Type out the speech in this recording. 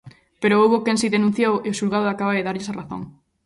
Pero houbo quen si denunciou e o xulgado acaba de darlles a razón.